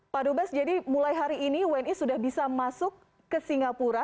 pak dubes jadi mulai hari ini wni sudah bisa masuk ke singapura